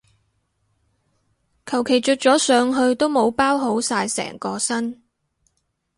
求其着咗上去都冇包好晒成個身